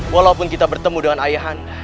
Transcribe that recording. walaupun kita bertemu dengan ayah anda